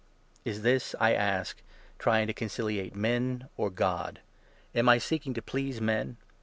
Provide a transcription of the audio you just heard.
Is this, I ask, trying to conciliate men, or God ? Am I ic seeking to please men